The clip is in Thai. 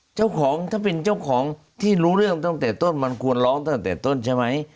เจ้าของถ้าเป็นเจ้าของที่รู้เรื่องตั้งแต่ต้นมันควรร้องตั้งแต่ต้นใช่ไหม